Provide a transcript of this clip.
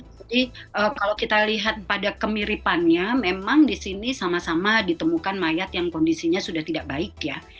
jadi kalau kita lihat pada kemiripannya memang di sini sama sama ditemukan mayat yang kondisinya sudah tidak baik ya